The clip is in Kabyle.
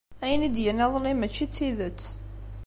Ayen i d-yenna iḍelli mačči d tidet.